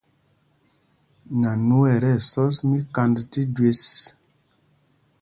Nanu ɛ tí ɛsɔs míkand tí jüés.